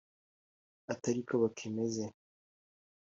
atariko bakimeze